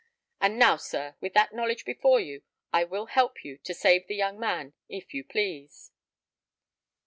And now, sir, with that knowledge before you, I will help you to save the young man, if you please."